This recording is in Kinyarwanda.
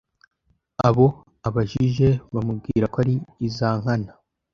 abo abajije bamubwira ko ari iza Nkana.